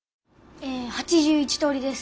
え８１通りです。